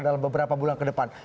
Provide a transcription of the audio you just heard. dalam beberapa bulan ini